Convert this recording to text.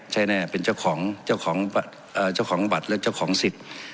ใช่แน่เป็นเจ้าของเจ้าของบัตรและเจ้าของสิทธิ์